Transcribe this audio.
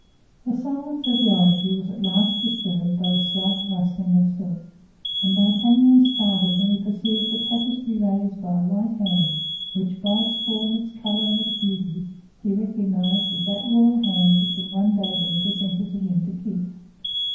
The silence of the oratory was at last disturbed by the slight rustling of silk, and D'Artagnan started when he perceived the tapestry raised by a white hand, which, by its form, its color and its beauty he recognized as that royal hand which had one day been presented to him to kiss.